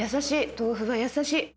豆腐が優しい。